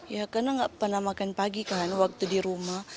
ya karena nggak pernah makan pagi kan waktu di rumah